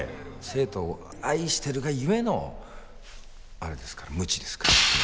生徒を愛してるがゆえのあれですからムチですから。